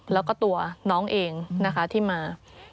แล้วก็ตัวน้องเองนะคะที่มา